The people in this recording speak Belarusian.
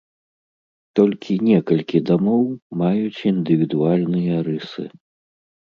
Толькі некалькі дамоў маюць індывідуальныя рысы.